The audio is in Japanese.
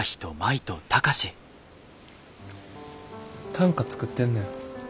短歌作ってんねん。